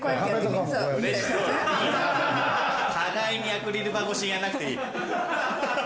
互いにアクリル板越しにやらなくていい。